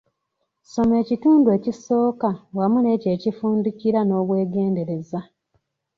Soma ekitundu ekisooka wamu n'ekyo ekifundikira n'obweegendereza.